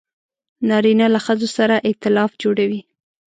نارینه له ښځو سره ایتلاف جوړوي.